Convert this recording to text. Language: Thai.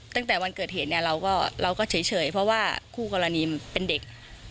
ตั้งแต่วันเกิดเหตุเนี่ยเราก็เฉยเพราะว่าคู่กรณีเป็นเด็ก